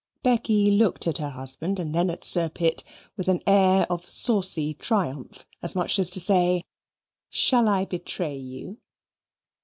Becky looked at her husband, and then at Sir Pitt, with an air of saucy triumph as much as to say, "Shall I betray you?"